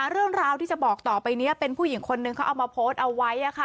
เรื่องราวที่จะบอกต่อไปนี้เป็นผู้หญิงคนนึงเขาเอามาโพสต์เอาไว้